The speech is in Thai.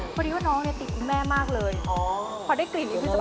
พอดีว่าน้องเนี่ยติดแม่มากเลยพอได้กลิ่นก็จะไปหาคุณแม่